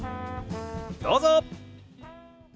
どうぞ。